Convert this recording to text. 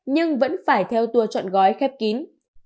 nhưng vẫn phải theo tour chọn gói khép kín